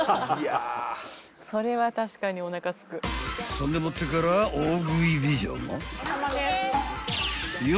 ［そんでもってから大食い美女も］